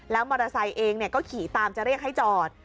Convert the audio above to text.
แล้วมอเซ็นต์เองก็ขี่ตามจะเรียกให้จอด